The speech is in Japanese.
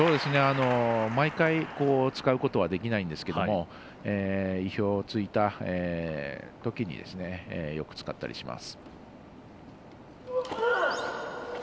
毎回、使うことはできないんですけれども意表をついたときによく使ったりします。